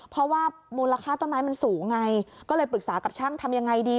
เพราะว่ามูลค่าต้นไม้มันสูงไงก็เลยปรึกษากับช่างทำยังไงดี